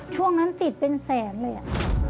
ช่วงนั้นติดเป็นแสนเลยอะ